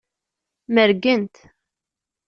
Mergent.